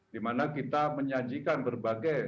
di mana kita menyajikan berbagai